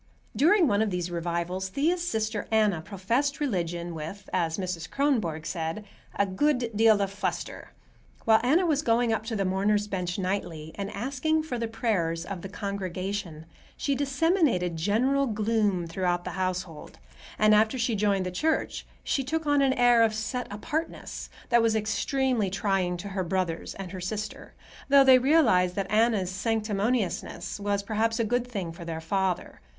During one of these revivals Thea's sister Anna professed religion with, as Mrs. Kronborg said, "a good deal of fluster." While Anna was going up to the mourners' bench nightly and asking for the prayers of the congregation, she disseminated general gloom throughout the household, and after she joined the church she took on an air of "set apartness" that was extremely trying to her brothers and her sister, though they realized that Anna's sanctimoniousness was perhaps a good thing for their father.